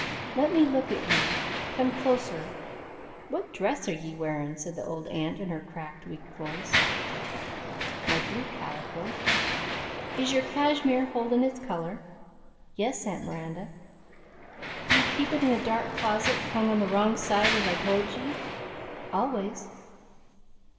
"Let me look at ye; come closer. What dress are ye wearin'?" said the old aunt in her cracked, weak voice. "My blue calico." "Is your cashmere holdin' its color?" "Yes, aunt Miranda." "Do you keep it in a dark closet hung on the wrong side, as I told ye?" "Always."